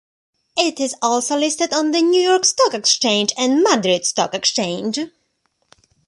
It is also listed on the New York Stock Exchange and Madrid Stock Exchange.